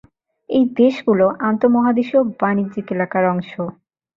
এই দেশগুলো আন্ত:মহাদেশীয় বাণিজ্যিক এলাকার অংশ।